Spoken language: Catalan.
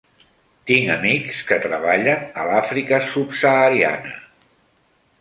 Tinc amics que treballen a l'Àfrica subsahariana.